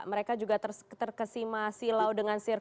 mereka juga terkesima silau dengan sirku